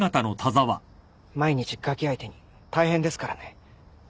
毎日ガキ相手に大変ですからね。